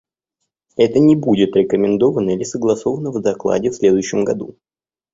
Это не будет рекомендовано или согласовано в докладе в следующем году.